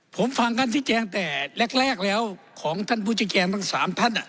ผมฟังท่านที่แจ้งแต่แรกแล้วของท่านผู้จัดการทั้ง๓ท่าน